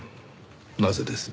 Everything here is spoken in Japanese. なぜです？